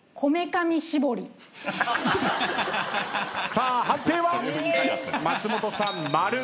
さあ判定は⁉松本さんマル。